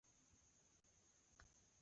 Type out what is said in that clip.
maka agha ahụ a nọ n’ime ya.